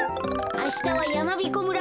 あしたはやまびこ村